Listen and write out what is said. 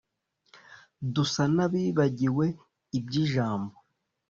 dusa n’ abibagiwe iby’ ijambo